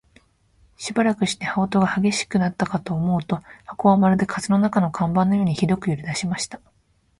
しばらくして、羽音が烈しくなったかと思うと、箱はまるで風の中の看板のようにひどく揺れだしました。